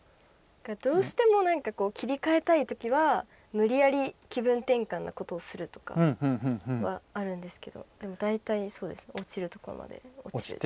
どうしても切り替えたいときは無理やり気分転換のことをするとかはあるんですけど大体、落ちるとこまで落ちて。